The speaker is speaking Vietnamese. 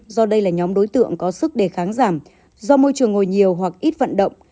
do đây là nhóm đối tượng có sức đề kháng giảm do môi trường ngồi nhiều hoặc ít vận động